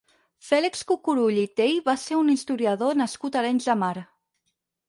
Fèlix Cucurull i Tey va ser un historiador nascut a Arenys de Mar.